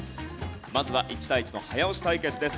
まずは１対１の早押し対決です。